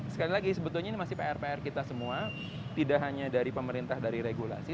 sekali lagi sebetulnya ini masih pr pr kita semua tidak hanya dari pemerintah dari regulasi